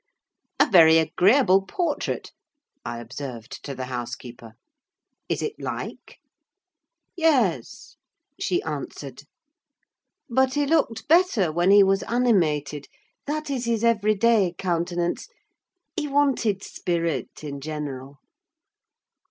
"A very agreeable portrait," I observed to the house keeper. "Is it like?" "Yes," she answered; "but he looked better when he was animated; that is his everyday countenance: he wanted spirit in general."